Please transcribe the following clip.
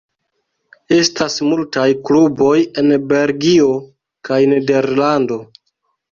Estas multaj kluboj en Belgio kaj Nederlando.